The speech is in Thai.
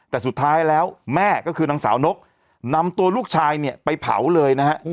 แต่สุดท้ายแล้วแม่ก็คือนางสาวนกนำตัวลูกชายเนี่ยไปเผาเลยนะฮะ